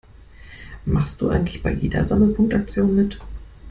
Machst du eigentlich bei jeder Sammelpunkte-Aktion mit?